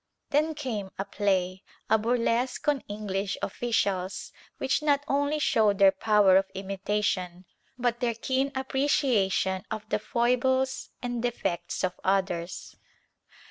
Then came a play, a burlesque on English officials, which not only showed their power of imitation but their keen appreciation of the foibles and defects of others.